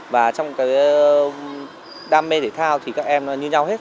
và trong cái đam mê thể thao thì các em như nhau hết